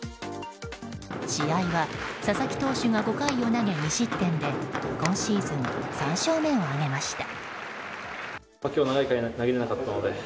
試合は佐々木投手が５回を投げ２失点で今シーズン３勝目を挙げました。